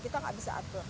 kita tidak bisa atur